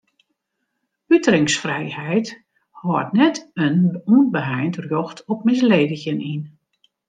Uteringsfrijheid hâldt net in ûnbeheind rjocht op misledigjen yn.